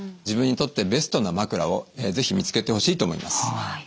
自分にとってベストな枕をぜひ見つけてほしいと思います。